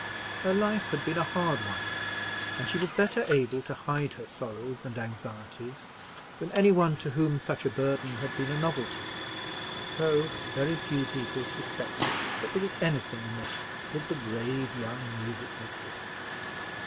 Her life had been a hard one, and she was better able to hide her sorrows and anxieties than any one to whom such a burden had been a novelty. So, very few people suspected that there was anything amiss with the grave young music mistress.